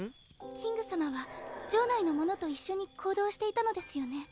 キング様は城内の者と一緒に行動していたのですよね？